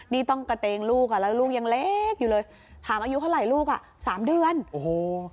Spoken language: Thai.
นี่ต้องกระเตงลูกอ่ะแล้วลูกยังเล็กอยู่เลยถามอายุเท่าไหร่ลูกอ่ะสามเดือนโอ้โห